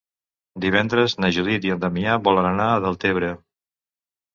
Divendres na Judit i en Damià volen anar a Deltebre.